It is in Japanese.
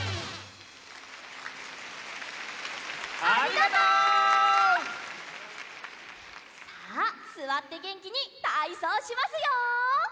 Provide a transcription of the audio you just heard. さあすわってげんきにたいそうしますよ！